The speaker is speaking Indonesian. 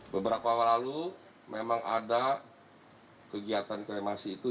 beberapa awal lalu memang ada kegiatan kremasi itu